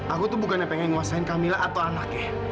aku tuh bukan pengen nguasain kamila atau anaknya